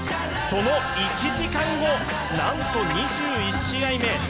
その１時間後、なんと２１試合目。